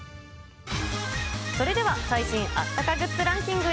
それでは、最新あったかグッズランキングへ。